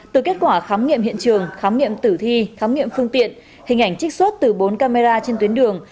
từ kết quả khám nghiệm hiện trường khám nghiệm tử thi khám nghiệm phương tiện hình ảnh trích xuất từ bốn camera trên tuyến đường